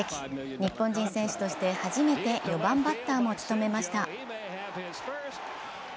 日本人選手として初めて４番バッターも務めました。